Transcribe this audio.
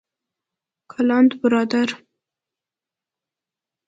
کلند بردار